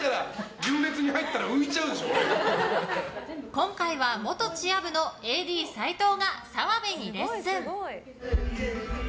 今回は元チア部のＡＤ齊藤が澤部にレッスン。